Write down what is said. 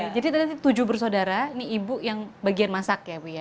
jadi tadi tujuh bersaudara ini ibu yang bagian masak ya bu ya